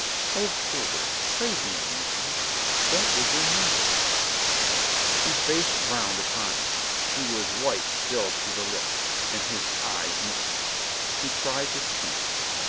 "Oh, Gilbert, pray be amusing. That is your metier." He faced round upon her. He was white still to the lips, and his eyes misty. He tried to speak.